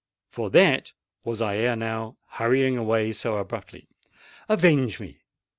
For that was I ere now hurrying away so abruptly!" "Avenge me!"